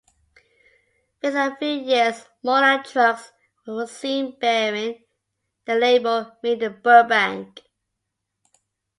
Within a few years Moreland trucks were seen bearing the label, Made in Burbank.